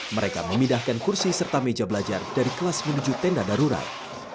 mereka memindahkan kursi serta meja belajar dari kelas menuju tenda darurat